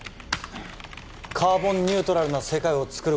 カーボンニュートラルな世界をつくることが